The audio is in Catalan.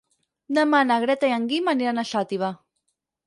Demà na Greta i en Guim aniran a Xàtiva.